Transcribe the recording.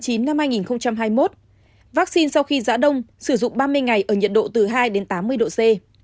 hôm bốn tháng chín năm hai nghìn hai mươi một vaccine sau khi giã đông sử dụng ba mươi ngày ở nhiệt độ từ hai đến tám mươi độ c